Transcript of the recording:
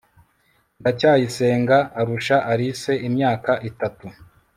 ndacyayisenga arusha alice imyaka itatu